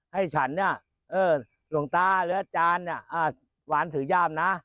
ให้ฉันเนี่ยหลวงตาหรืออาจารย์หวานถือย่ามนะ